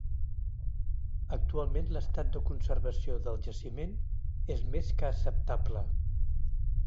Actualment l’estat de conservació del jaciment és més que acceptable.